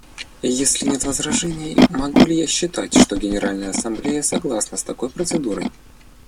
Если нет возражений, могу ли я считать, что Генеральная Ассамблея согласна с такой процедурой?